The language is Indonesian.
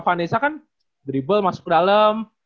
vanessa kan dribble masuk ke dalem